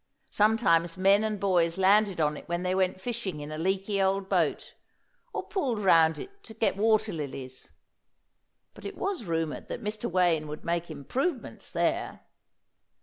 Sometimes men and boys landed on it when they went fishing in a leaky old boat, or pulled round it to get water lilies; but it was rumoured that Mr. Wayne would make improvements there.